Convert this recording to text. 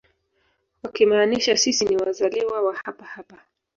Wakimaanisha sisi ni wazaliwa wa hapa hapa